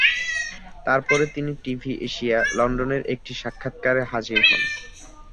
তারপরে তিনি TV Asia, লন্ডনের একটি সাক্ষাৎকারে হাজির হন।